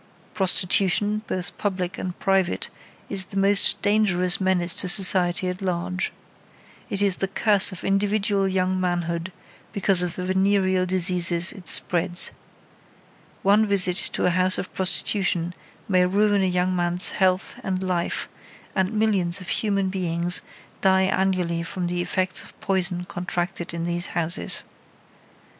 Prostitution, both public and private is the most dangerous menace to society at large. It is the curse of individual young manhood because of the venereal diseases it spreads. One visit to a house of prostitution may ruin a young man's health and life, and millions of human beings die annually from the effects of poison contracted in these houses.